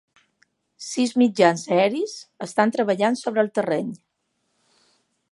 Sis mitjans aeris estan treballant sobre el terreny.